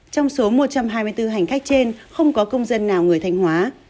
trong số một trăm hai mươi bốn hành khách trên không có công dân nào người thanh hóa